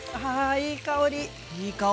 いい香り。